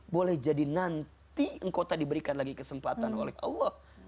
boleh jadi nanti engkau tak diberikan lagi kesempatan oleh allah